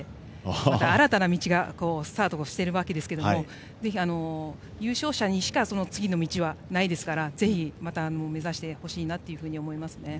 また新たな道がスタートしているわけですけど優勝者にしか次の道はないですからぜひまた、目指してほしいなと思いますね。